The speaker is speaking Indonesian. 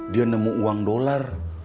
dia nemu uang dolar